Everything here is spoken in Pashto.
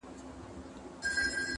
په څارل یې غلیمان په سمه غر کي -